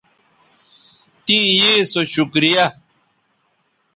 تیں یے سو شکریہ